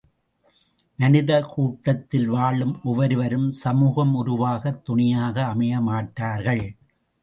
மனிதக் கூட்டத்தில் வாழும் ஒவ்வொருவரும் சமூகம் உருவாகத் துணையாக அமைய மாட்டார்கள்.